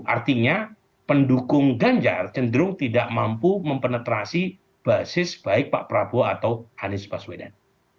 artinya pendukung ganjar cenderung tidak mampu mempenetrasi basis baik pak prabowo atau anies baswedan